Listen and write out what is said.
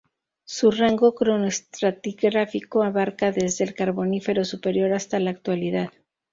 Su rango cronoestratigráfico abarca desde el Carbonífero superior hasta la Actualidad.